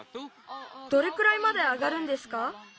どれくらいまで上がるんですか？